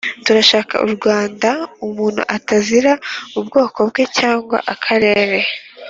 turashaka u rwanda umuntu atazira ubwoko bwe cyangwa akarere